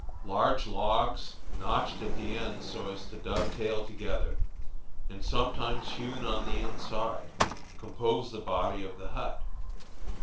Large logs, notched at the ends so as to dovetail together, and sometimes hewn on the inside, compose the body of the hut.